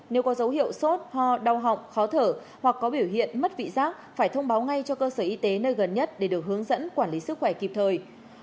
nếu có dấu hiệu sốt ho đau họng khó thở hoặc có biểu hiện mất vị giác phải thông báo ngay cho cơ sở y tế nơi gần nhất để được hướng dẫn quản lý sức khỏe kịp thời